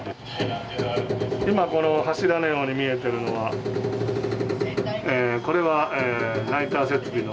今、柱のように見えているのはこれは、ナイター設備の。